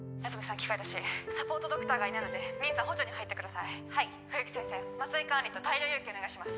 器械出しサポートドクターがいないのでミンさん補助に入ってください冬木先生麻酔管理と大量輸液お願いします